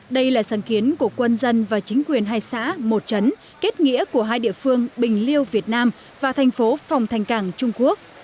đây là sáng kiến của quân dân và chính quyền hai xã một trấn kết nghĩa của hai địa phương bình liêu việt nam và thành phố phòng thành cảng trung quốc